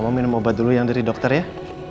mau minum obat dulu yang dari dokter ya